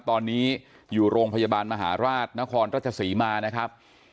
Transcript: ตอนนี้อยู่โรงพยาบาลมหาราชนครราชศรีมานะครับ